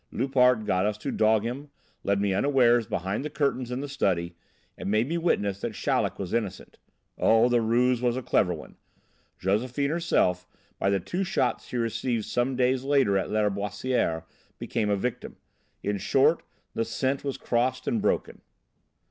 Loupart got us to dog him, led me unawares behind the curtains in the study, and made me witness that Chaleck was innocent. Oh, the ruse was a clever one. Josephine herself, by the two shots she received some days later at Lâriboisière, became a victim. In short, the scent was crossed and broken."